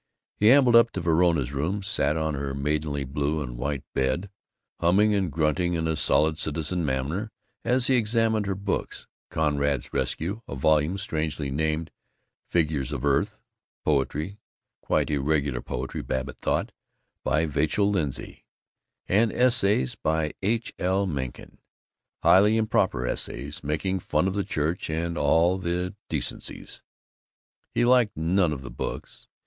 He ambled up to Verona's room, sat on her maidenly blue and white bed, humming and grunting in a solid citizen manner as he examined her books: Conrad's "Rescue," a volume strangely named "Figures of Earth," poetry (quite irregular poetry, Babbitt thought) by Vachel Lindsay, and essays by H. L. Mencken highly improper essays, making fun of the church and all the decencies. He liked none of the books.